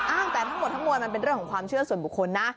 แต่ทั้งหมดทั้งมวลมันเป็นเรื่องของความเชื่อส่วนบุคคลนะ